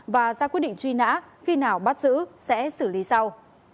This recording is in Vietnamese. và ra quyết định truy nã khi nào bắt giữ sẽ xử lý sau